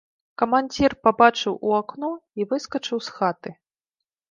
Камандзір пабачыў у акно і выскачыў з хаты.